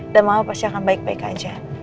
dan mama pasti akan baik baik aja